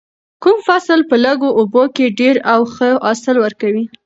کوم فصل په لږو اوبو کې ډیر او ښه حاصل ورکوي؟